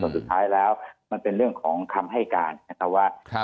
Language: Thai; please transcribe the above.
สุดท้ายแล้วมันเป็นเรื่องของคำให้การนะครับว่า